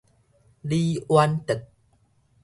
李遠哲